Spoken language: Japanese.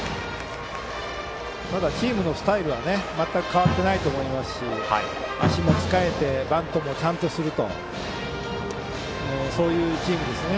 ただ、チームのスタイルは全く変わっていないと思いますし足も使えてバントもちゃんとするとそういうチームですね。